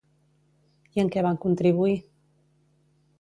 I en què van contribuir?